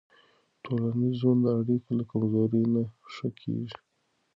ټولنیز ژوند د اړیکو له کمزورۍ نه ښه کېږي.